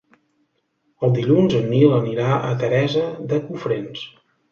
Dilluns en Nil anirà a Teresa de Cofrents.